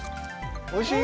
おいしい？